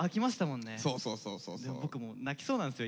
僕もう泣きそうなんですよ